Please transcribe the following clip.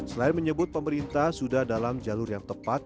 selain menyebut pemerintah sudah dalam jalur yang tepat